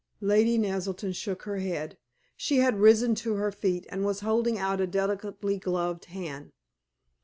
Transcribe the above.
Lady Naselton shook her head. She had risen to her feet, and was holding out a delicately gloved hand.